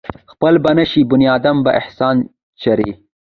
خپل به نشي بنيادم پۀ احسان چرې